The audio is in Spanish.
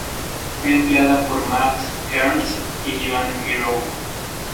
Fue empleada por Max Ernst y Joan Miró.